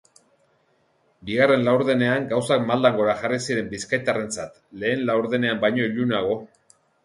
Bigarren laurdenean gauzak maldan gora jarri ziren bizkaitarrentzat, lehen laurdenean baino ilunago.